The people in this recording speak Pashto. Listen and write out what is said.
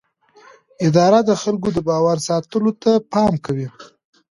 اداره د خلکو د باور ساتلو ته پام کوي.